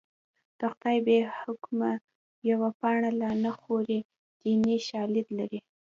د خدای بې حکمه یوه پاڼه لا نه خوري دیني شالید لري